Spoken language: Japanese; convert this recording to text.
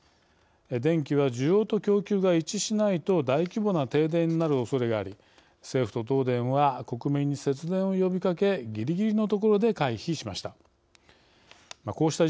電気は需要と供給が一致しないと大規模な停電になるおそれがあり政府と東電は国民に節電を呼びかけぎりぎりのところで回避しました。